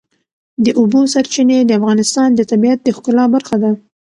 د اوبو سرچینې د افغانستان د طبیعت د ښکلا برخه ده.